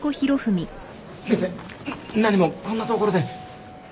先生何もこんな所で。